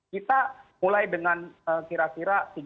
kita mulai dengan kira kira